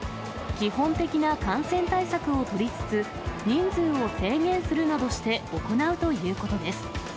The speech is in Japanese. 基本的な感染対策を取りつつ、人数を制限するなどして行うということです。